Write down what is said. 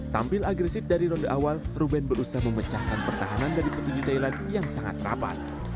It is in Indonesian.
tampil agresif dari ronde awal ruben berusaha memecahkan pertahanan dari petinju thailand yang sangat rapat